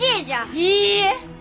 いいえ